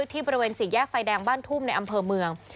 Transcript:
ที่บริเวณสี่แยกไฟแดงบ้านทุ่มในอำเภอเมือง